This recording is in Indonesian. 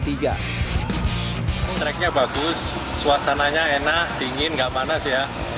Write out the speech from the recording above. track nya bagus suasananya enak dingin tidak panas ya